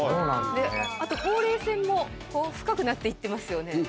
あとほうれい線も深くなって行ってますよね。